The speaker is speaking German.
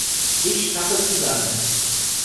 Ich fasse zusammen.